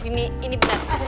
ini ini bener